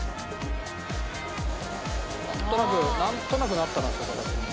なんとなくなんとなくなったな形に。